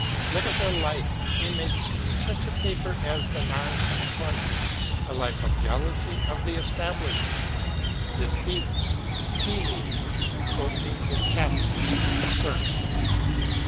" Look at the life, imaged in such a paper as the Non conformist — A life of jealousy of the Establishment, disputes, tea meetings, openings of chapels, sermons."